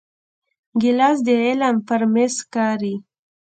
ګیلاس د علم پر میز ښکاري.